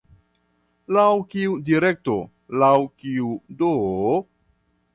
Laŭ kiu direkto, laŭ kiu do?